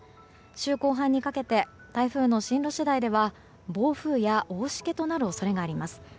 週後半にかけて台風の進路次第では暴風や大しけとなる恐れがあります。